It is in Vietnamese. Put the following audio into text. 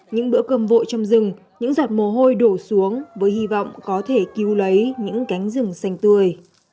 những bữa cơm vội trong rừng những giọt mồ hôi đổ xuống với hy vọng có thể cứu lấy những cánh rừng xanh tươi